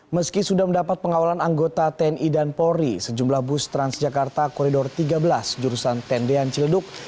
meski sudah mendapat pengawalan anggota tni dan polri sejumlah bus transjakarta koridor tiga belas jurusan tendean ciledug